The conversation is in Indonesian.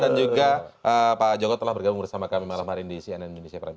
dan juga pak joko telah bergabung bersama kami malam hari ini di cnn indonesia prime